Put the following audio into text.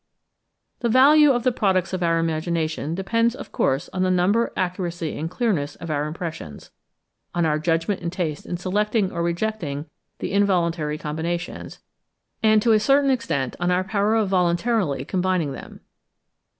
The value of the products of our imagination depends of course on the number, accuracy, and clearness of our impressions, on our judgment and taste in selecting or rejecting the involuntary combinations, and to a certain extent on our power of voluntarily combining them.